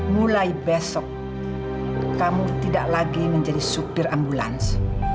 mulai besok kamu tidak lagi menjadi supir ambulans